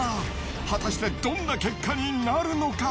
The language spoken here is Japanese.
果たしてどんな結果になるのか。